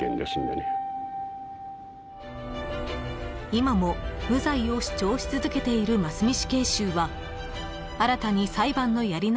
［今も無罪を主張し続けている真須美死刑囚は新たに裁判のやり直しを申し立てています］